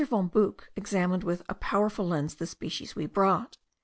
von Buch examined with a powerful lens the species we brought.